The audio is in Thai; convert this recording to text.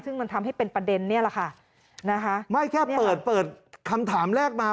ซึ่งมันทำให้เป็นประเด็นเนี่ยแหละค่ะนะคะไม่แค่เปิดเปิดคำถามแรกมา